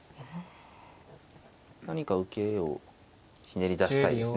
何か受けをひねり出したいですね。